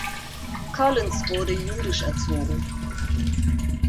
Collins wurde jüdisch erzogen.